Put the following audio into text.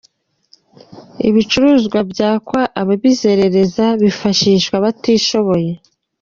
Ibicuruzwa byakwa ababizerereza bifashishwa abatishoboye